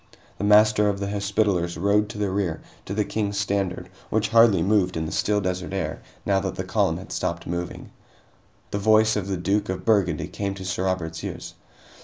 The Master of the Hospitallers rode to the rear, to the King's standard, which hardly moved in the still desert air, now that the column had stopped moving. The voice of the Duke of Burgundy came to Sir Robert's ears.